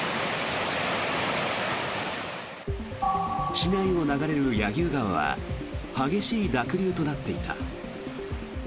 市内を流れる柳生川は激しい濁流となっていた。